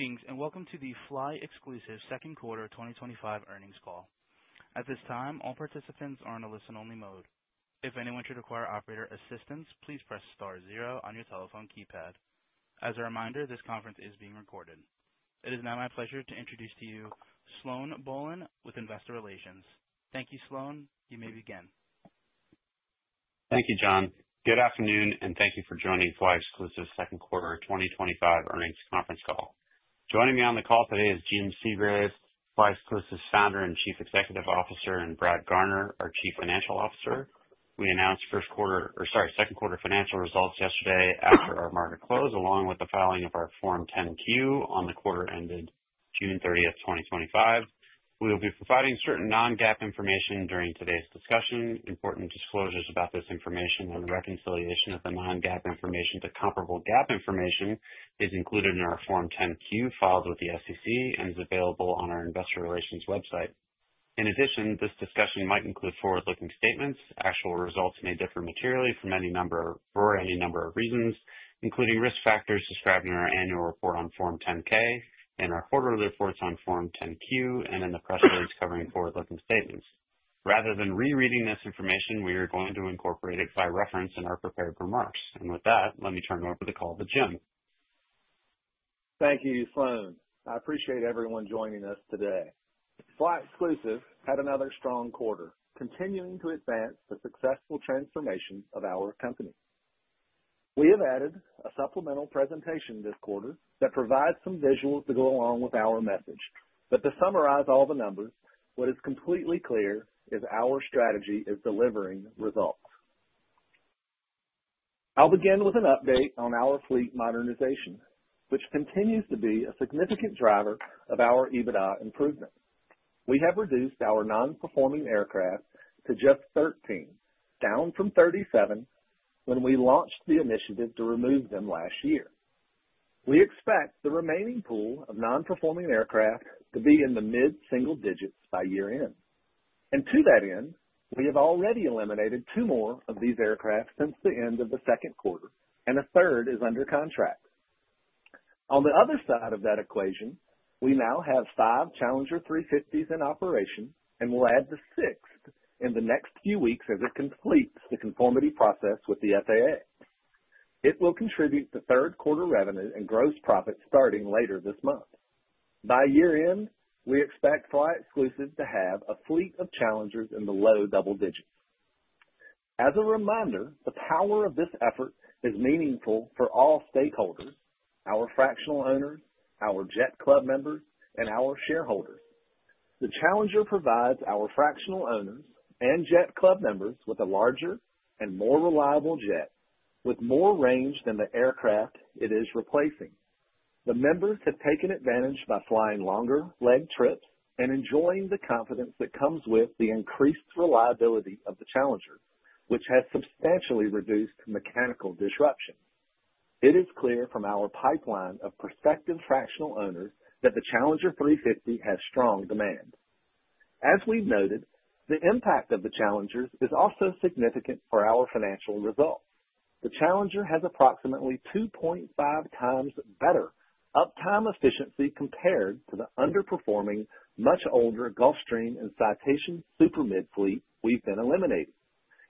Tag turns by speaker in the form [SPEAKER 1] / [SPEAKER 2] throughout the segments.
[SPEAKER 1] Greetings and welcome to the flyExclusive Q2 2025 Earnings Call. At this time, all participants are in a listen-only mode. If anyone should require operator assistance, please press star zero on your telephone keypad. As a reminder, this conference is being recorded. It is now my pleasure to introduce to you Sloan Bohlen with investor relations. Thank you, Sloan. You may begin.
[SPEAKER 2] Thank you, John. Good afternoon, and thank you for joining flyExclusive Q2 2025 Earnings Conference Call. Joining me on the call today is Jim Segrave, flyExclusive's founder and Chief Executive Officer, and Brad Garner our Chief Financial Officer. We announced Q1—or sorry, Q2 financial results yesterday after our market close, along with the filing of our Form 10-Q on the quarter ended June 30th, 2025. We will be providing certain non-GAAP information during today's discussion. Important disclosures about this information and the reconciliation of the non-GAAP information to comparable GAAP information is included in our Form 10-Q filed with the SEC and is available on our investor relations website. In addition, this discussion might include forward-looking statements. Actual results may differ materially from any number of reasons, including risk factors described in our annual report on Form 10-K, in our quarterly reports on Form 10-Q, and in the press release covering forward-looking statements. Rather than rereading this information, we are going to incorporate it by reference in our prepared remarks, and with that, let me turn over the call to Jim.
[SPEAKER 3] Thank you, Sloan. I appreciate everyone joining us today. flyExclusive had another strong quarter, continuing to advance the successful transformation of our company. We have added a supplemental presentation this quarter that provides some visuals to go along with our message. But to summarize all the numbers, what is completely clear is our strategy is delivering results. I'll begin with an update on our fleet modernization, which continues to be a significant driver of our EBITDA improvement. We have reduced our non-performing aircraft to just 13, down from 37 when we launched the initiative to remove them last year. We expect the remaining pool of non-performing aircraft to be in the mid-single digits by year-end. And to that end, we have already eliminated two more of these aircraft since the end of the Q2, and a third is under contract. On the other side of that equation, we now have five Challenger 350s in operation and will add the sixth in the next few weeks as it completes the conformity process with the FAA. It will contribute to Q3 revenue and gross profit starting later this month. By year-end, we expect flyExclusive to have a fleet of Challengers in the low double digits. As a reminder, the power of this effort is meaningful for all stakeholders: our fractional owners, our Jet Club members, and our shareholders. The Challenger provides our fractional owners and Jet Club members with a larger and more reliable Jet, with more range than the aircraft it is replacing. The members have taken advantage by flying longer leg trips and enjoying the confidence that comes with the increased reliability of the Challenger, which has substantially reduced mechanical disruption. It is clear from our pipeline of prospective fractional owners that the Challenger 350 has strong demand. As we've noted, the impact of the Challengers is also significant for our financial results. The Challenger has approximately 2.5 times better uptime efficiency compared to the underperforming, much older Gulfstream and Citation super-midsize fleet we've been eliminating.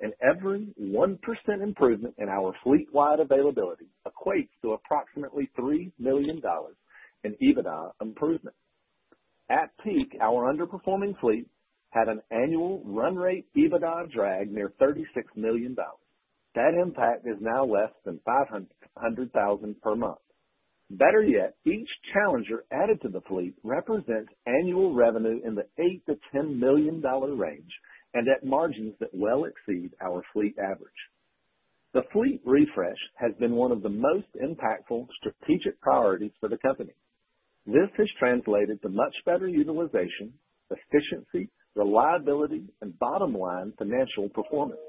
[SPEAKER 3] And every 1% improvement in our fleet-wide availability equates to approximately $3 million in EBITDA improvement. At peak, our underperforming fleet had an annual run rate EBITDA drag near $36 million. That impact is now less than $500,000 per month. Better yet, each Challenger added to the fleet represents annual revenue in the $8-$10 million range and at margins that well exceed our fleet average. The fleet refresh has been one of the most impactful strategic priorities for the company. This has translated to much better utilization, efficiency, reliability, and bottom-line financial performance.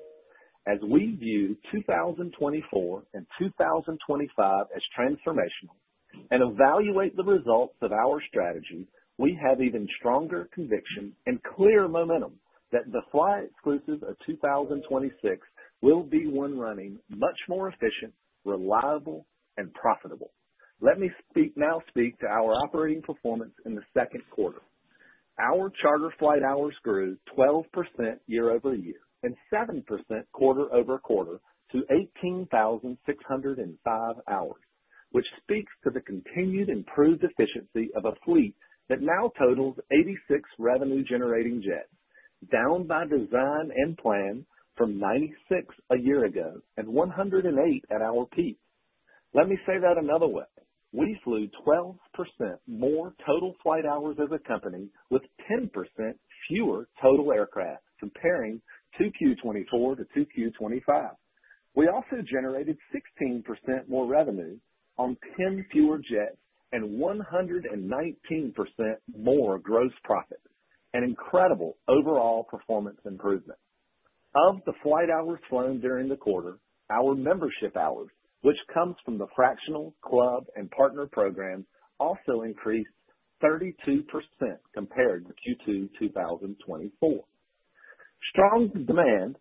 [SPEAKER 3] As we view 2024 and 2025 as transformational and evaluate the results of our strategy, we have even stronger conviction and clear momentum that the flyExclusive of 2026 will be one running much more efficient, reliable, and profitable. Let me now speak to our operating performance in the Q2. Our charter flight hours grew 12% year-over-year and 7% quarter-over-quarter to 18,605 hours, which speaks to the continued improved efficiency of a fleet that now totals 86 revenue-generating jets, down by design and plan from 96 a year ago and 108 at our peak. Let me say that another way. We flew 12% more total flight hours as a company with 10% fewer total aircraft comparing 2Q24 to 2Q25. We also generated 16% more revenue on 10 fewer jets and 119% more gross profit, an incredible overall performance improvement. Of the flight hours flown during the quarter, our membership hours, which comes from the fractional, club, and partner programs, also increased 32% compared to Q2 2024. Strong demand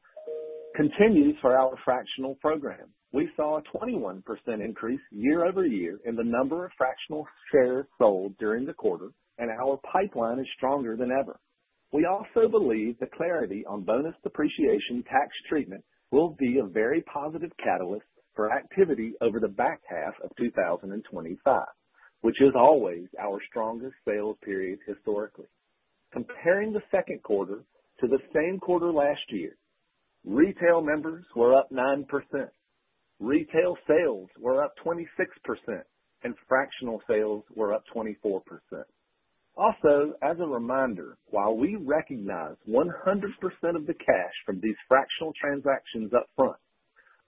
[SPEAKER 3] continues for our fractional program. We saw a 21% increase year-over-year in the number of fractional shares sold during the quarter, and our pipeline is stronger than ever. We also believe the clarity on bonus depreciation tax treatment will be a very positive catalyst for activity over the back half of 2025, which is always our strongest sales period historically. Comparing the Q2 to the same quarter last year, retail members were up 9%. Retail sales were up 26%, and fractional sales were up 24%. Also, as a reminder, while we recognize 100% of the cash from these fractional transactions upfront,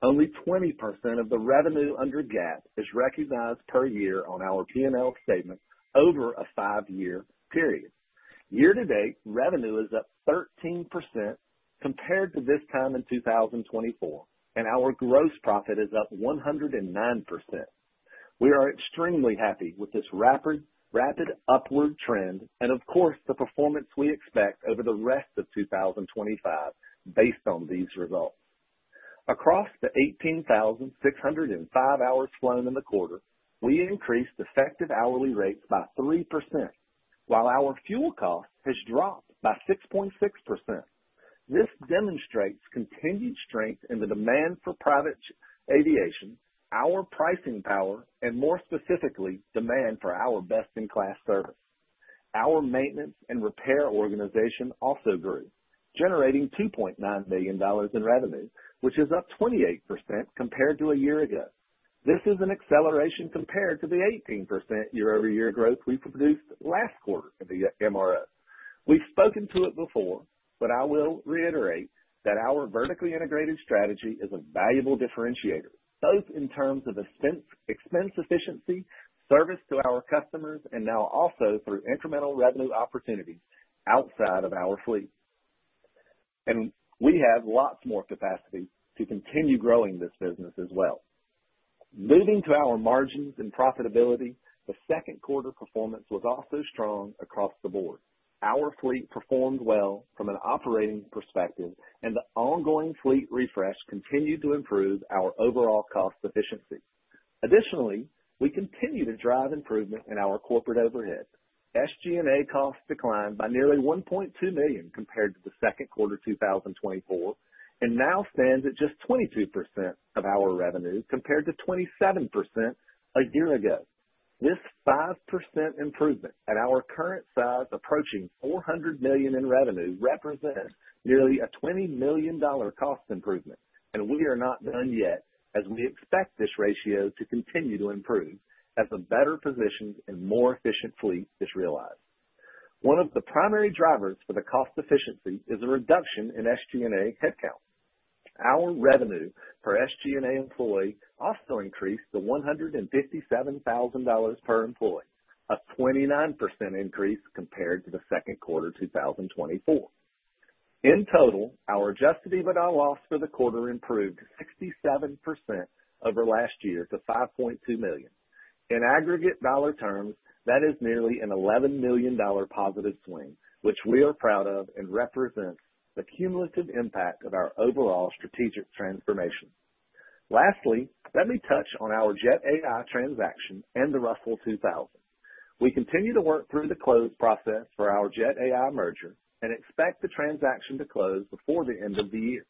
[SPEAKER 3] only 20% of the revenue under GAAP is recognized per year on our P&L statement over a five-year period. Year-to-date revenue is up 13% compared to this time in 2024, and our gross profit is up 109%. We are extremely happy with this rapid upward trend and, of course, the performance we expect over the rest of 2025 based on these results. Across the 18,605 hours flown in the quarter, we increased effective hourly rates by 3%, while our fuel cost has dropped by 6.6%. This demonstrates continued strength in the demand for private aviation, our pricing power, and more specifically, demand for our best-in-class service. Our maintenance and repair organization also grew, generating $2.9 million in revenue, which is up 28% compared to a year ago. This is an acceleration compared to the 18% year-over-year growth we produced last quarter in the MRO. We've spoken to it before, but I will reiterate that our vertically integrated strategy is a valuable differentiator, both in terms of expense efficiency, service to our customers, and now also through incremental revenue opportunities outside of our fleet, and we have lots more capacity to continue growing this business as well. Moving to our margins and profitability, the Q2 performance was also strong across the board. Our fleet performed well from an operating perspective, and the ongoing fleet refresh continued to improve our overall cost efficiency. Additionally, we continue to drive improvement in our corporate overhead. SG&A costs declined by nearly $1.2 million compared to the Q2 2024 and now stands at just 22% of our revenue compared to 27% a year ago. This 5% improvement at our current size approaching $400 million in revenue represents nearly a $20 million cost improvement, and we are not done yet as we expect this ratio to continue to improve as a better position and more efficient fleet is realized. One of the primary drivers for the cost efficiency is a reduction in SG&A headcount. Our revenue per SG&A employee also increased to $157,000 per employee, a 29% increase compared to the Q2 2024. In total, our Adjusted EBITDA loss for the quarter improved 67% over last year to $5.2 million. In aggregate dollar terms, that is nearly an $11 million positive swing, which we are proud of and represents the cumulative impact of our overall strategic transformation. Lastly, let me touch on our Jet.AI transaction and the Russell 2000. We continue to work through the close process for our Jet.AI merger and expect the transaction to close before the end of the year.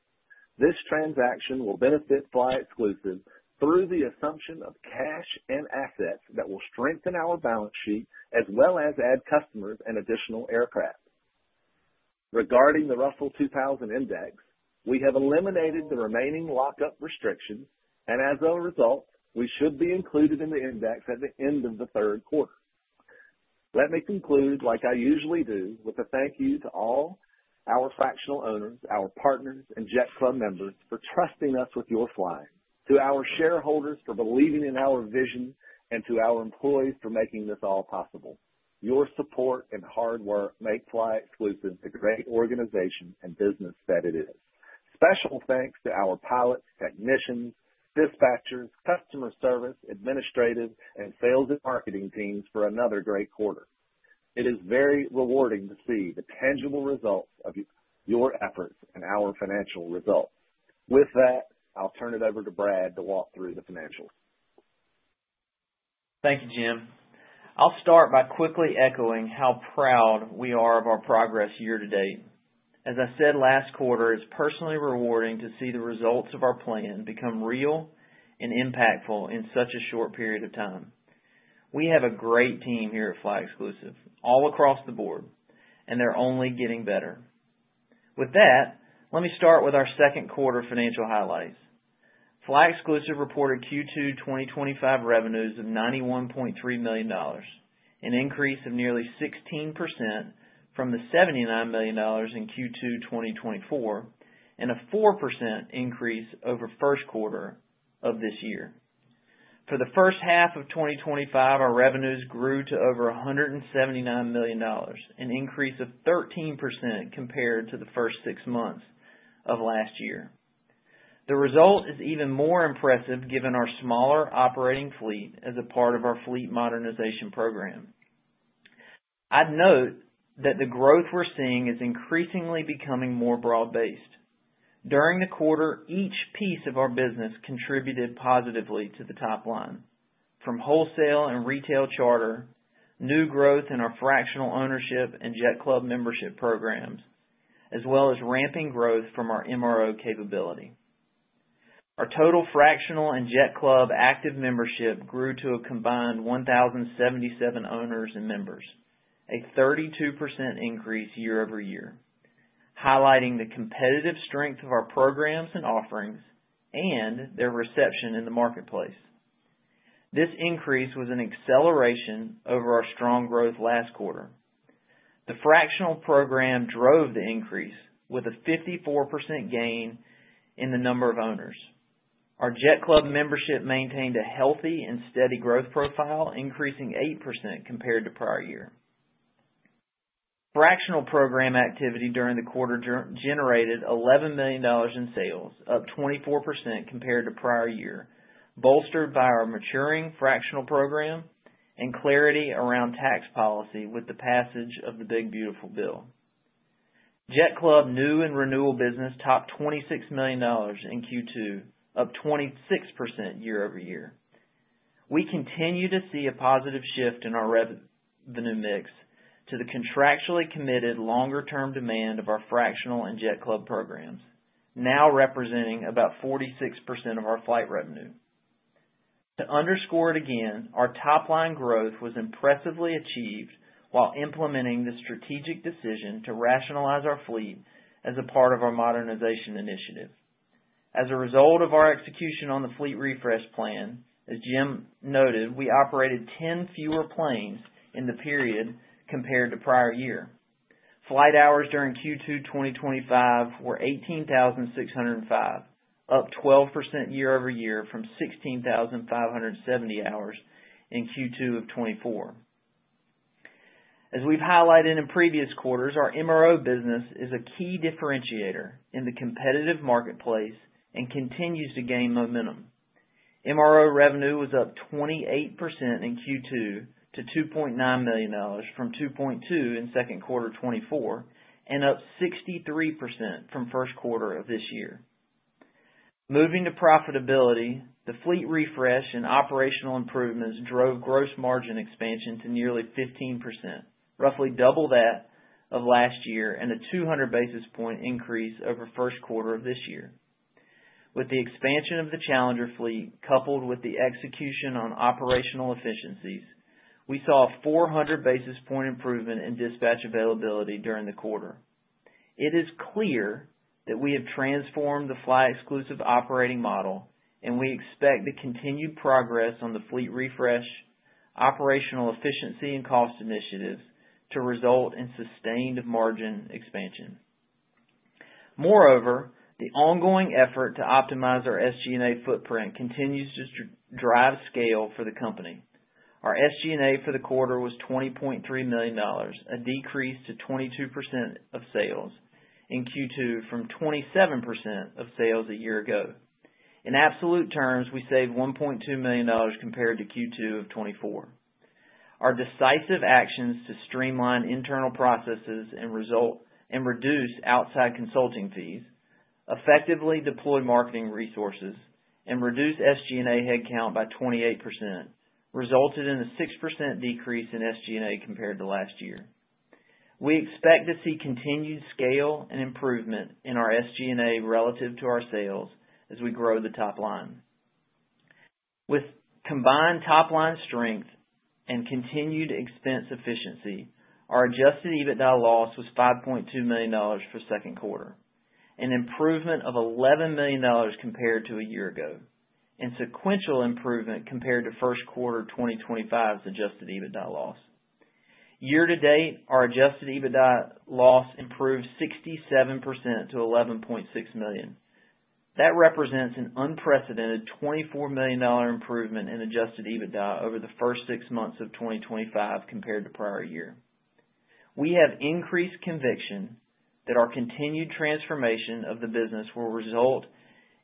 [SPEAKER 3] This transaction will benefit flyExclusive through the assumption of cash and assets that will strengthen our balance sheet as well as add customers and additional aircraft. Regarding the Russell 2000 index, we have eliminated the remaining lockup restrictions, and as a result, we should be included in the index at the end of the Q3. Let me conclude, like I usually do, with a thank you to all our fractional owners, our partners, and Jet Club members for trusting us with your flying, to our shareholders for believing in our vision, and to our employees for making this all possible. Your support and hard work make flyExclusive the great organization and business that it is. Special thanks to our pilots, technicians, dispatchers, customer service, administrative, and sales and marketing teams for another great quarter. It is very rewarding to see the tangible results of your efforts and our financial results. With that, I'll turn it over to Brad to walk through the financials.
[SPEAKER 4] Thank you, Jim. I'll start by quickly echoing how proud we are of our progress year-to-date. As I said, last quarter is personally rewarding to see the results of our plan become real and impactful in such a short period of time. We have a great team here at flyExclusive all across the board, and they're only getting better. With that, let me start with our Q2 financial highlights. flyExclusive reported Q2 2025 revenues of $91.3 million, an increase of nearly 16% from the $79 million in Q2 2024, and a 4% increase over Q1 of this year. For the H1 of 2025, our revenues grew to over $179 million, an increase of 13% compared to the first six months of last year. The result is even more impressive given our smaller operating fleet as a part of our fleet modernization program. I'd note that the growth we're seeing is increasingly becoming more broad-based. During the quarter, each piece of our business contributed positively to the top line, from wholesale and retail charter, new growth in our fractional ownership and Jet Club membership programs, as well as ramping growth from our MRO capability. Our total fractional and Jet Club active membership grew to a combined 1,077 owners and members, a 32% increase year-over-year, highlighting the competitive strength of our programs and offerings and their reception in the marketplace. This increase was an acceleration over our strong growth last quarter. The fractional program drove the increase with a 54% gain in the number of owners. Our Jet Club membership maintained a healthy and steady growth profile, increasing 8% compared to prior year. Fractional program activity during the quarter generated $11 million in sales, up 24% compared to prior year, bolstered by our maturing fractional program and clarity around tax policy with the passage of the Big Beautiful Bill. Jet Club new and renewal business topped $26 million in Q2, up 26% year-over-year. We continue to see a positive shift in our revenue mix to the contractually committed longer-term demand of our fractional and Jet Club programs, now representing about 46% of our flight revenue. To underscore it again, our top-line growth was impressively achieved while implementing the strategic decision to rationalize our fleet as a part of our modernization initiative. As a result of our execution on the fleet refresh plan, as Jim noted, we operated 10 fewer planes in the period compared to prior year. Flight hours during Q2 2025 were 18,605, up 12% year-over-year from 16,570 hours in Q2 of 2024. As we've highlighted in previous quarters, our MRO business is a key differentiator in the competitive marketplace and continues to gain momentum. MRO revenue was up 28% in Q2 to $2.9 million from $2.2 in Q2 2024 and up 63% from Q1 of this year. Moving to profitability, the fleet refresh and operational improvements drove gross margin expansion to nearly 15%, roughly double that of last year, and a 200 basis point increase over Q1 of this year. With the expansion of the Challenger fleet coupled with the execution on operational efficiencies, we saw a 400 basis point improvement in dispatch availability during the quarter. It is clear that we have transformed the flyExclusive operating model, and we expect the continued progress on the fleet refresh, operational efficiency, and cost initiatives to result in sustained margin expansion. Moreover, the ongoing effort to optimize our SG&A footprint continues to drive scale for the company. Our SG&A for the quarter was $20.3 million, a decrease to 22% of sales in Q2 from 27% of sales a year ago. In absolute terms, we saved $1.2 million compared to Q2 of 2024. Our decisive actions to streamline internal processes and reduce outside consulting fees, effectively deploy marketing resources, and reduce SG&A headcount by 28% resulted in a 6% decrease in SG&A compared to last year. We expect to see continued scale and improvement in our SG&A relative to our sales as we grow the top line. With combined top-line strength and continued expense efficiency, our Adjusted EBITDA loss was $5.2 million for Q2, an improvement of $11 million compared to a year ago, and sequential improvement compared to Q1 2025's Adjusted EBITDA loss. Year-to-date, our Adjusted EBITDA loss improved 67% to $11.6 million. That represents an unprecedented $24 million improvement in Adjusted EBITDA over the first six months of 2025 compared to prior year. We have increased conviction that our continued transformation of the business will result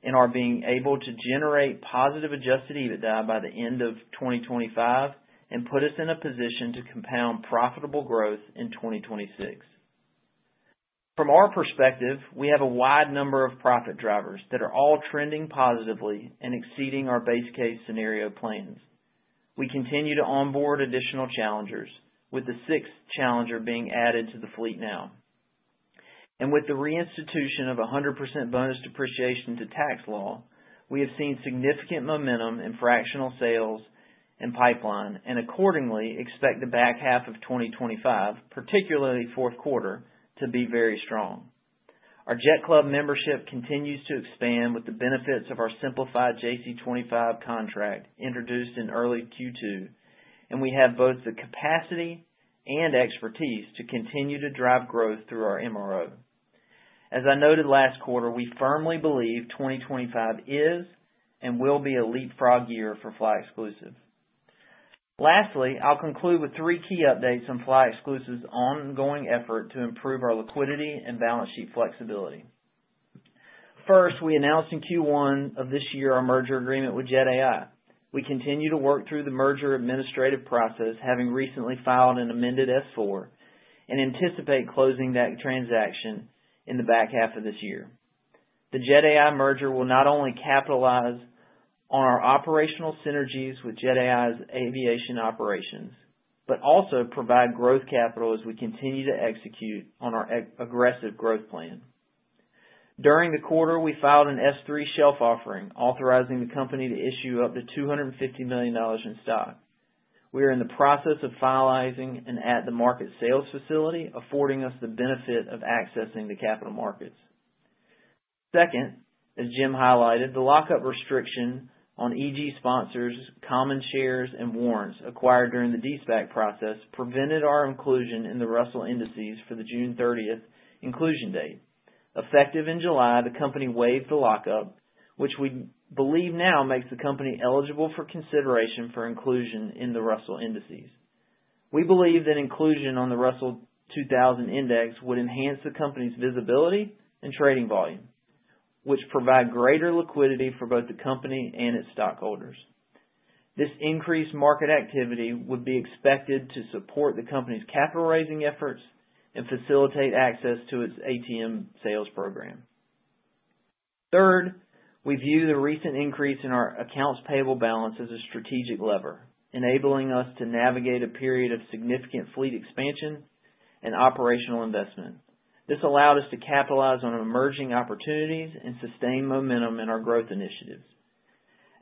[SPEAKER 4] in our being able to generate positive Adjusted EBITDA by the end of 2025 and put us in a position to compound profitable growth in 2026. From our perspective, we have a wide number of profit drivers that are all trending positively and exceeding our base case scenario plans. We continue to onboard additional Challengers, with the sixth Challenger being added to the fleet now. With the reinstitution of 100% bonus depreciation to tax law, we have seen significant momentum in fractional sales and pipeline and accordingly expect the back half of 2025, particularly Q4, to be very strong. Our Jet Club membership continues to expand with the benefits of our simplified JC25 contract introduced in early Q2, and we have both the capacity and expertise to continue to drive growth through our MRO. As I noted last quarter, we firmly believe 2025 is and will be a leapfrog year for flyExclusive. Lastly, I'll conclude with three key updates on flyExclusive's ongoing effort to improve our liquidity and balance sheet flexibility. First, we announced in Q1 of this year our merger agreement with Jet.AI. We continue to work through the merger administrative process, having recently filed an amended S-4, and anticipate closing that transaction in the back half of this year. The Jet.AI merger will not only capitalize on our operational synergies with Jet.AI's aviation operations, but also provide growth capital as we continue to execute on our aggressive growth plan. During the quarter, we filed an S-3 shelf offering authorizing the company to issue up to $250 million in stock. We are in the process of finalizing an at-the-market sales facility, affording us the benefit of accessing the capital markets. Second, as Jim highlighted, the lockup restriction on EG Sponsors, common shares, and warrants acquired during the de‑SPAC process prevented our inclusion in the Russell indices for the June 30th inclusion date. Effective in July, the company waived the lockup, which we believe now makes the company eligible for consideration for inclusion in the Russell indices. We believe that inclusion on the Russell 2000 index would enhance the company's visibility and trading volume, which provide greater liquidity for both the company and its stockholders. This increased market activity would be expected to support the company's capital raising efforts and facilitate access to its ATM sales program. Third, we view the recent increase in our accounts payable balance as a strategic lever, enabling us to navigate a period of significant fleet expansion and operational investment. This allowed us to capitalize on emerging opportunities and sustain momentum in our growth initiatives.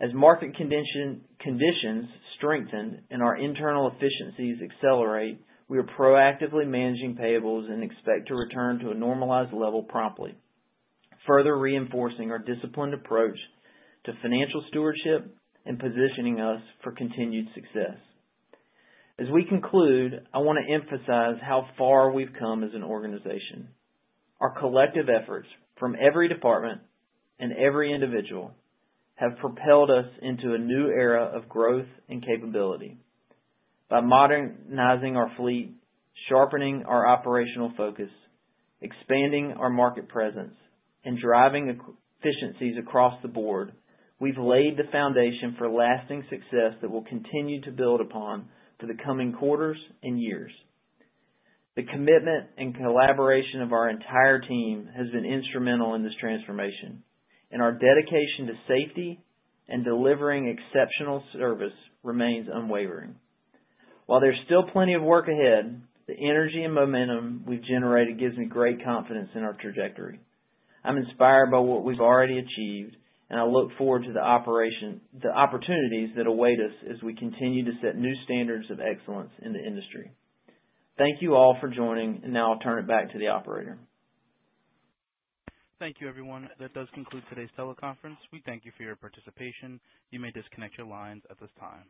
[SPEAKER 4] As market conditions strengthen and our internal efficiencies accelerate, we are proactively managing payables and expect to return to a normalized level promptly, further reinforcing our disciplined approach to financial stewardship and positioning us for continued success. As we conclude, I want to emphasize how far we've come as an organization. Our collective efforts from every department and every individual have propelled us into a new era of growth and capability. By modernizing our fleet, sharpening our operational focus, expanding our market presence, and driving efficiencies across the board, we've laid the foundation for lasting success that will continue to build upon for the coming quarters and years. The commitment and collaboration of our entire team have been instrumental in this transformation, and our dedication to safety and delivering exceptional service remains unwavering. While there's still plenty of work ahead, the energy and momentum we've generated gives me great confidence in our trajectory. I'm inspired by what we've already achieved, and I look forward to the opportunities that await us as we continue to set new standards of excellence in the industry. Thank you all for joining, and now I'll turn it back to the operator.
[SPEAKER 1] Thank you, everyone. That does conclude today's teleconference. We thank you for your participation. You may disconnect your lines at this time.